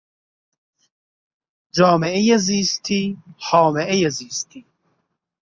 جامعهی زیستی، هامهی زیستی